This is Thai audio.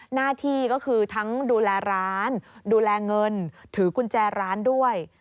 หน้าที่ก็คือทั้งดูแลร้านดูแลเงินถือกุญแจร้านด้วย